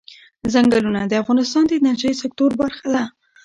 ځنګلونه د افغانستان د انرژۍ سکتور برخه ده.